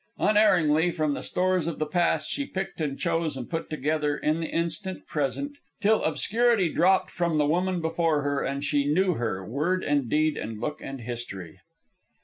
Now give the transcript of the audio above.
Unerringly from the stores of the past she picked and chose and put together in the instant present, till obscurity dropped from the woman before her, and she knew her, word and deed and look and history.